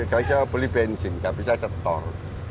nggak bisa beli bensin nggak bisa setor